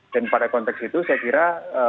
dan pada konteks itu saya kira